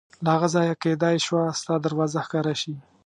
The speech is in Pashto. له هغه ځایه کېدای شوه ستا دروازه ښکاره شي.